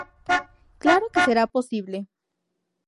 Claro que será posible.